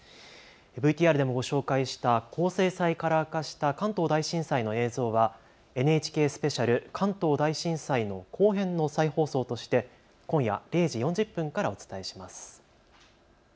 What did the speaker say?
ＶＴＲでもご紹介した高精細カラー化した関東大震災の映像はＮＨＫスペシャル関東大震災の後編の再放送として今夜０時４０分からお伝えします。